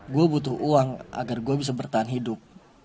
gue butuh uang agar gue bisa bertahan hidup